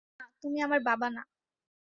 না, তুমি আমার বাবা না।